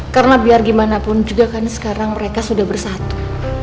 karena biar gimana pun juga kan sekarang mereka sudah bersatu